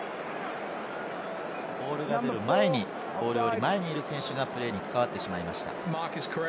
ボールが出る前に、ボールより前にいる選手がプレーに関わってしまいました。